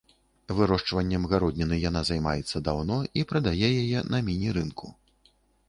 Вырошчваннем гародніны яна займаецца даўно і прадае яе на міні-рынку.